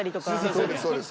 そうですそうです。